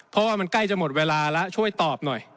เพราะว่ามันใกล้จะหมดเวลาแล้วช่วยตอบหน่อย